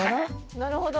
なるほど！